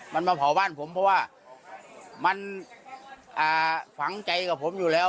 มันมาเผาบ้านผมเพราะว่ามันฝังใจกับผมอยู่แล้ว